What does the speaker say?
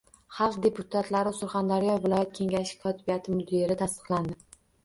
Xalq deputatlari Surxondaryo viloyat kengashi kotibiyati mudiri tasdiqlandi